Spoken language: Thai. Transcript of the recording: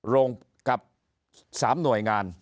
ลงกับ๓หน่วยงาน